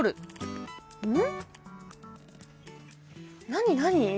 何何？